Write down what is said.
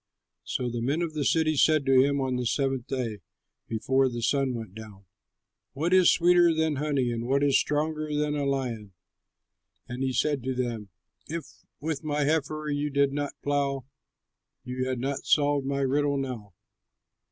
So the men of the city said to him on the seventh day before the sun went down, "What is sweeter than honey? And what is stronger than a lion?" And he said to them: "If with my heifer you did not plough, You had not solved my riddle now."